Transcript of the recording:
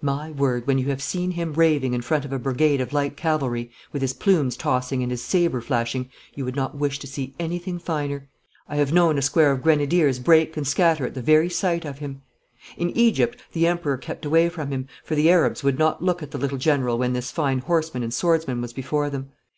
My word, when you have seen him raving in front of a brigade of light cavalry, with his plumes tossing and his sabre flashing, you would not wish to see anything finer. I have known a square of grenadiers break and scatter at the very sight of him. In Egypt the Emperor kept away from him, for the Arabs would not look at the little General when this fine horseman and swordsman was before them.